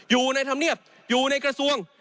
อยู่ในธรรมเนียบอยู่ในกระทรวง